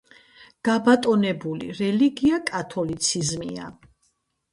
გაბატონებული რელიგია კათოლიციზმია.